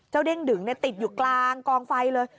เจ้าเด้งดึงเนี่ยติดอยู่กลางกองไฟเลย